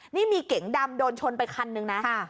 นี่มีเก๋งดำโดนชนไปคันนึงนะ